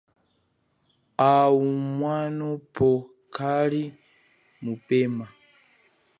Au mwano pwo kali mupema.